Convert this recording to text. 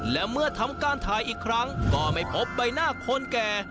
และเมื่อทำการถ่ายอีกครั้งก็ไม่พบใบหน้าคนแก่